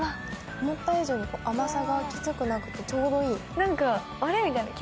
思った以上に甘さがきつくなくてちょうどいい。